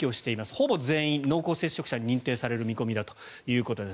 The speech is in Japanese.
ほぼ全員が濃厚接触者に認定される見込みだということです。